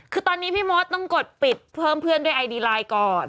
คือตอนนี้พี่มดต้องกดปิดเพิ่มเพื่อนด้วยไอดีไลน์ก่อน